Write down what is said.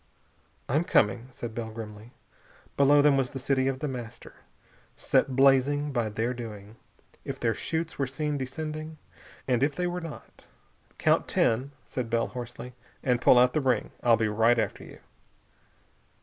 "I'm coming," said Bell grimly. Below them was the city of The Master, set blazing by their doing. If their chutes were seen descending.... And if they were not.... "Count ten," said Bell hoarsely, "and pull out the ring. I'll be right after you."